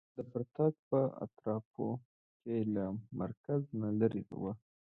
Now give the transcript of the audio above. د پراګ په اطرافو کې له مرکز نه لرې و.